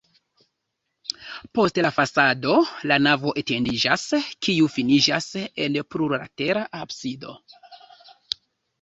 Post la fasado la navo etendiĝas, kiu finiĝas en plurlatera absido.